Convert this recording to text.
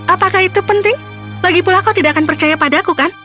apakah itu penting lagipula kau tidak akan percaya padaku kan